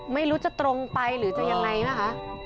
ไม่รู้จะตรงไปหรือจะยังไงป่ะคะ